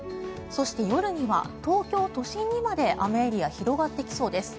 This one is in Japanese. そして夜には東京都心にまで雨エリア、広がってきそうです。